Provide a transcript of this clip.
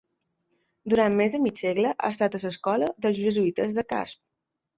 Durant més de mig segle ha estat a l'escola dels Jesuïtes de Casp.